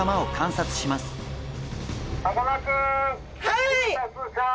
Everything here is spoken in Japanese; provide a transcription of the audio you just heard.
はい！